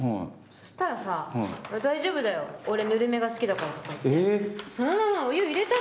そしたらさ大丈夫だよ俺、ぬるめが好きだからって。